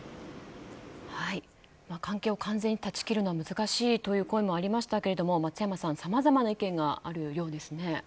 関係を完全に断ち切るのは難しいという声もありましたが松山さん、さまざまな意見があるようですね。